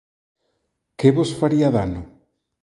Que vos faría dano?